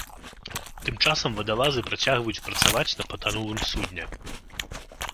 Тым часам вадалазы працягваюць працаваць на патанулым судне.